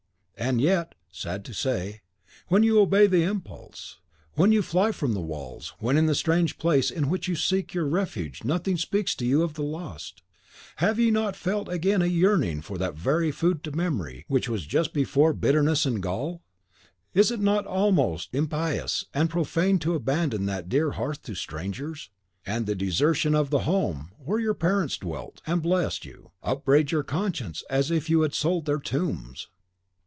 And yet, sad to say, when you obey the impulse, when you fly from the walls, when in the strange place in which you seek your refuge nothing speaks to you of the lost, have ye not felt again a yearning for that very food to memory which was just before but bitterness and gall? Is it not almost impious and profane to abandon that dear hearth to strangers? And the desertion of the home where your parents dwelt, and blessed you, upbraids your conscience as if you had sold their tombs.